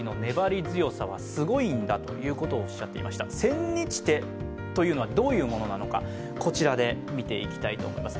千日手というのはどういうものなのかこちらで見ていきたいと思います。